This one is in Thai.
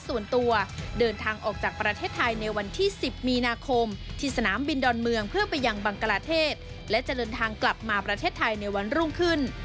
ส่วนตัวเดินทางออกจากประเทศไทยในวันที่๑๐มีนาคมที่สนามบินดอนเมืองเพื่อไปยังบังกลาเทศและจะเดินทางกลับมาประเทศไทยในวันรุ่งขึ้น